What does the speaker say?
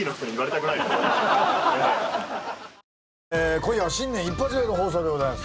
今夜は新年１発目の放送でございます。